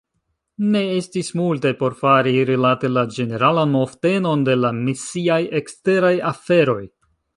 Ne estis multe por fari rilate la ĝeneralan movtenon de la misiaj eksteraj aferoj.